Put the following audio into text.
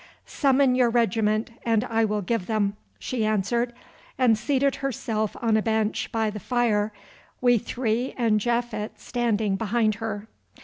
"Summon your regiment and I will give them," she answered, and seated herself on a bench by the fire, we three and Japhet standing behind her.